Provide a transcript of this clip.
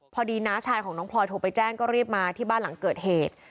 น้าชายของน้องพลอยโทรไปแจ้งก็รีบมาที่บ้านหลังเกิดเหตุ